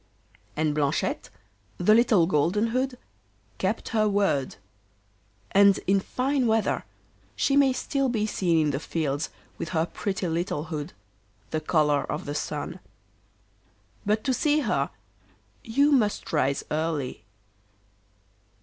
And Blanchette, the Little Golden hood, kept her word. And in fine weather she may still be seen in the fields with her pretty little hood, the colour of the sun. But to see her you must rise early.